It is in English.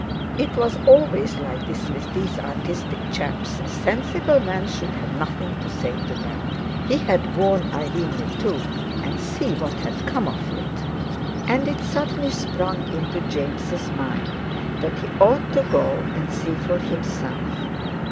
It was always like this with these "artistic" chaps; a sensible man should have nothing to say to them. He had warned Irene, too. And see what had come of it! And it suddenly sprang into James's mind that he ought to go and see for himself.